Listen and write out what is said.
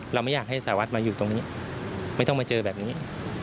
เราไม่อยากให้สารวัตรมาอยู่ตรงนี้ไม่ต้องมาเจอแบบนี้